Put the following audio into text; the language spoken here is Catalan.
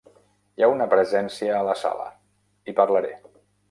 Hi ha una presència a la sala; hi parlaré.